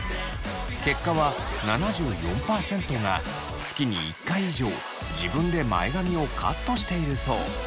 結果は７４％が月に１回以上自分で前髪をカットしているそう。